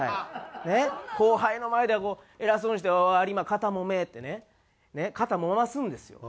後輩の前では偉そうにして「おい有馬！肩もめ」ってね肩もますんですよ。